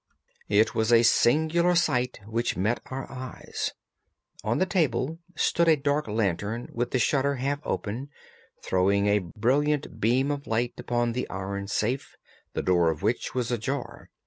It was a singular sight which met our eyes. On the table stood a dark lantern with the shutter half open, throwing a brilliant beam of light upon the iron safe, the door of which was ajar.